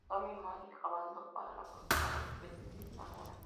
Tom y Mary acabado para la fábrica de juguetes y se enamoran.